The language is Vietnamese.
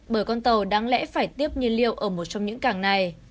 bởi con tàu đáng lẽ phải tiếp nhiên liệu ở một trong những cảng này